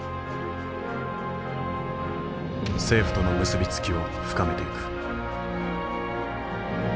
政府との結び付きを深めていく。